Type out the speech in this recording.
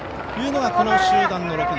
この集団の６人。